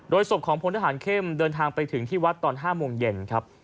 ศพของพลทหารเข้มเดินทางไปถึงที่วัดตอน๕โมงเย็นครับ